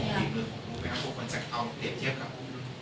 แอบผมที่มือของคุณไหมครับคุณจะเอาเปรียบเทียบกับรุ่นพี่โธ่